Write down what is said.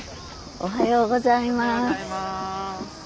・おはようございます。